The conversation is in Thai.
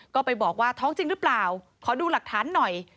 ก็ไปบอกว่าท้องจริงหรือเปล่าขอดูหลักฐานหน่อย